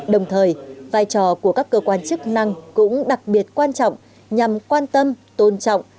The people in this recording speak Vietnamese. đồng thời vai trò của các cơ quan chức năng cũng đặc biệt quan trọng nhằm quan tâm tôn trọng